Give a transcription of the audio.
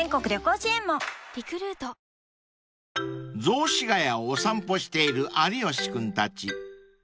［雑司が谷をお散歩している有吉君たち］